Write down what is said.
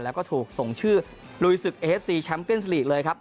แล้วก็ถูกส่งชื่อลุยศึกเอฟซีแชมป์เก้นสลีกเลยครับ